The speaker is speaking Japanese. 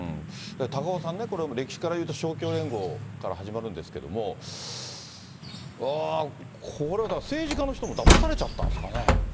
高岡さんね、これ歴史からいうと、勝共連合から始まるんですけれども、これはだから政治家の人もだまされちゃったんですかね。